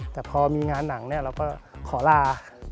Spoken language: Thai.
แต่พอมีงานหนังเนี่ยเราก็ขอลา